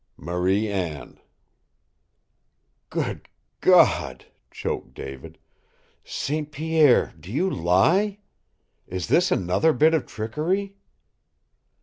"Marie Anne." "Good God!" choked David. "St. Pierre, do you lie? Is this another bit of trickery?"